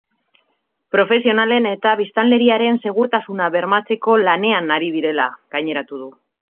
Profesionalen eta biztanleriaren segurtasuna bermatzeko lanean ari direla gaineratu du.